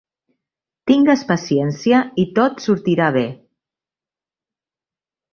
Tingues paciència i tot sortirà bé.